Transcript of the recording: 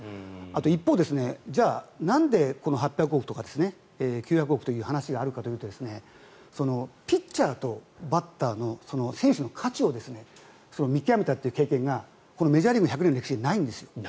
一方、なんでこの８００億とか９００億という話があるかというとピッチャーとバッターの選手の価値を見極めたという経験がメジャーリーグ１００年の歴史でないんですよ。